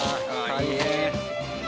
大変。